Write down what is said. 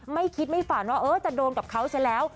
ไม่คิดไม่ฝันว่าจะโดนกับเขาซะแล้ว